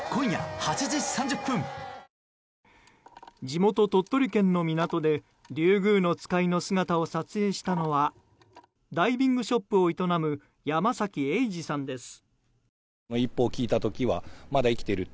地元、鳥取県の港でリュグウノツカイの姿を撮影したのはダイビングショップを営む山崎英治さんです。